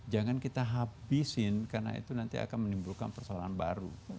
jangan kita habisin karena itu nanti akan menimbulkan persoalan baru